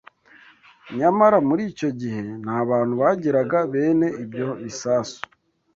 Nyamara muri icyo gihe nta bantu bagiraga bene ibyo bisasu